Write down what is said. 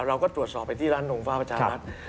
เราก็ตรวจสอบไปที่ร้านนงฟ้าประชารัฐ